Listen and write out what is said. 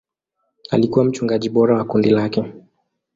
Alikuwa mchungaji bora wa kundi lake.